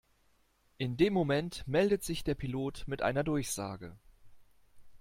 In dem Moment meldet sich der Pilot mit einer Durchsage.